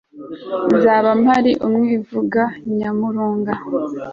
nzaba mpari imwivuga nyamurunga